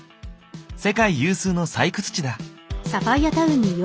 世界有数の採掘地だ。